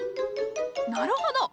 なるほど！